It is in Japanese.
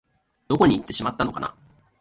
どこかにいってしまったのかな